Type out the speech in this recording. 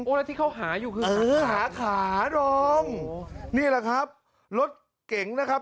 แล้วที่เขาหาอยู่คือหาขาดอมนี่แหละครับรถเก๋งนะครับ